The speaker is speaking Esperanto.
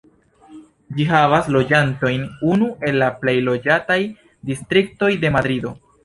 Ĝi havas loĝantojn, unu el la plej loĝataj distriktoj de Madrido.